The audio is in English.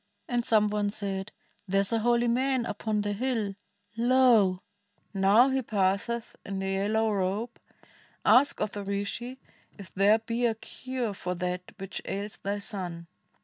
And some one said, ' There is a holy man upon the hill — Lo I now he passeth in the yellow robe — Ask of the Rishi if there be a cure For that which ails thy son.'